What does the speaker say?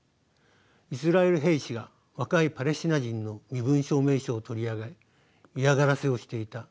「イスラエル兵士が若いパレスチナ人の身分証明書を取り上げ嫌がらせをしていた。